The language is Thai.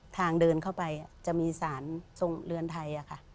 เดินเข้าไปจะมีสารทรงเรือนไทยค่ะ